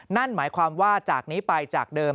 นั่นหมายความว่าจากนี้ไปจากเดิม